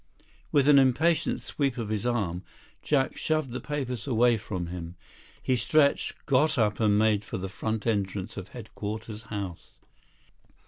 With an impatient sweep of his arm, Jack shoved the papers away from him. He stretched, got up, and made for the front entrance of Headquarters House.